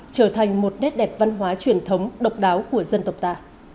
trở thành một nét đẹp văn hóa truyền thống độc đáo của dân tộc ta